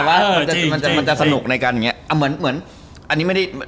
ว่ามันคือความคลาสสิคเหมียว